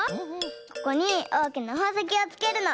ここにおおきなほうせきをつけるの。